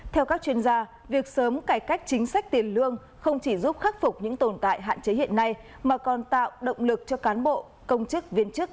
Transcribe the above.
theo các chuyên gia việc sớm cải cách chính sách tiền lương không chỉ giúp khắc phục những tồn tại hạn chế hiện nay mà còn tạo động lực cho cán bộ công chức viên chức